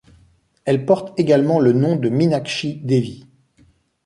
Elle porte également le nom de Minakshi Devi.